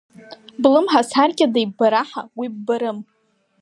Блымҳа сар-кьада иббараҳа уи ббарым.